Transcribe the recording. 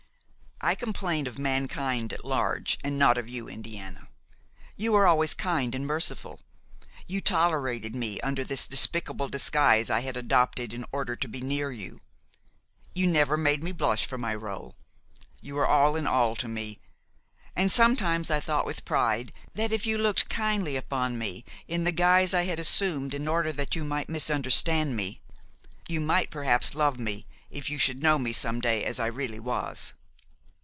"I complain of mankind at large and not of you, Indiana. You were always kind and merciful; you tolerated me under this despicable disguise I had adopted in order to be near you; you never made me blush for my rôle, you were all in all to me, and sometimes I thought with pride that if you looked kindly upon me in the guise I had assumed in order that you might misunderstand me, you might perhaps love me if you should know me some day as I really was.